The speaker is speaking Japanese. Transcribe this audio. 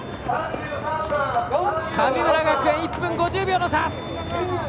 神村学園、１分５０秒の差。